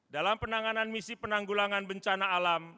dalam penanganan misi penanggulangan bencana alam